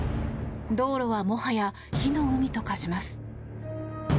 道路はもはや火の海と化します。